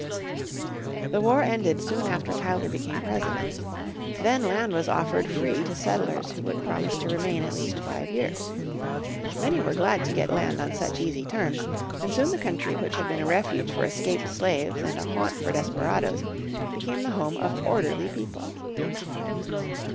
The war ended soon after Tyler became President. Then land was offered free to settlers who would promise to remain at least five years. Many were glad to get land on such easy terms, and soon the country which had been a refuge for escaped slaves and a haunt for desperadoes became the home of orderly people.